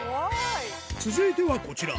続いてはこちら。